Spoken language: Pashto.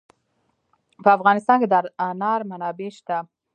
په افغانستان کې د انار منابع شته.